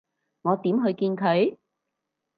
我點去見佢？